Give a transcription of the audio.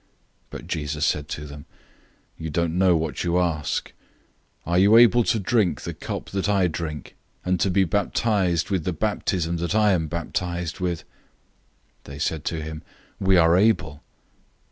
010:038 But Jesus said to them, "You don't know what you are asking. Are you able to drink the cup that I drink, and to be baptized with the baptism that I am baptized with?" 010:039 They said to him, "We are able."